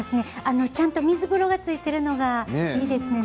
ちゃんと水風呂が付いてるのがいいですね。